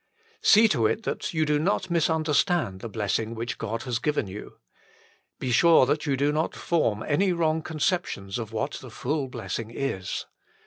See to it that you do not misunderstand the blessing which God has given you. Be sure that you do not form any wrong conceptions of what the full blessing is.